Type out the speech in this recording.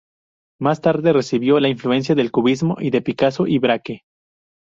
Más tarde recibió la influencia del cubismo y de Picasso y Braque.